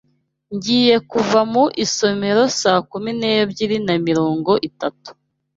Ngiye kuva mu isomero saa kumi n'ebyiri na mirongo itatu.